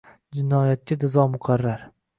Jinoyatga jazo muqarrar